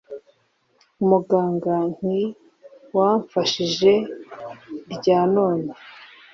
umuganga nti wamfashije iryanone